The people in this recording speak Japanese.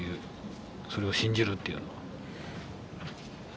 それを信じるというのは。